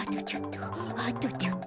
あとちょっと。